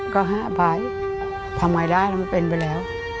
ก็ให้อภัยทำไมได้แล้วไม่เป็นไปแล้ว